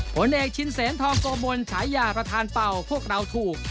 ผลเอกชินเสนทองโกมลฉายาประธานเป่าพวกเราถูก